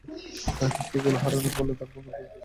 কিন্তু এগুলো হারানোর ফলে তাঁর জন্য কোনো বিপদ সৃষ্টি হবে না।